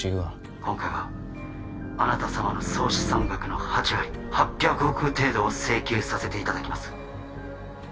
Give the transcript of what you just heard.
今回はあなた様の総資産額の８割８００億程度を請求させていただきます